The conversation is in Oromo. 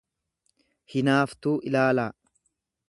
hinaaftuu ilaalaa.